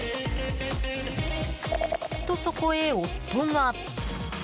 と、そこへ夫が。